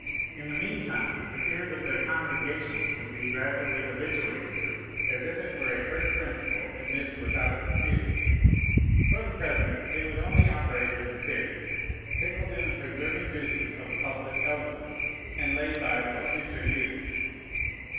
In the mean time the ears of their congregations would be gradually habituated to it, as if it were a first principle admitted without dispute. For the present it would only operate as a theory, pickled in the preserving juices of pulpit eloquence, and laid by for future use.